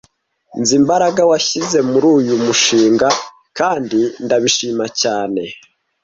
Nzi imbaraga washyize muri uyu mushinga kandi ndabishima cyane